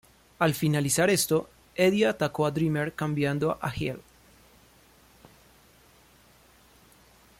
Al finalizar esto, Eddie atacó a Dreamer cambiando a "heel".